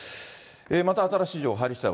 また新しい情報、入りしだい